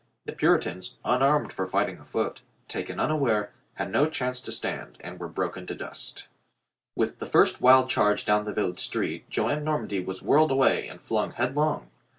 The Puritans, unarmed for fighting afoot, taken unaware, had no chance to stand and were broken to dust. With the first wild charge down the village street Joan Normandy was whirled away and flung head long.